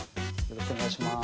よろしくお願いします